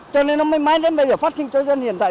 cho nên nó mới mãi đến bây giờ phát sinh cho dân hiện tại